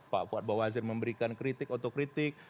pak fuad bawazir memberikan kritik otokritik